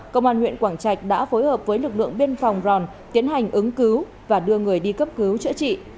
công an huyện quảng trạch đã phối hợp với lực lượng biên phòng ròn tiến hành ứng cứu và đưa người đi cấp cứu chữa trị